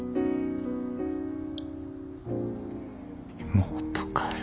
妹かよ。